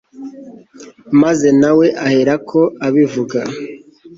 maze nawe aherako abivuga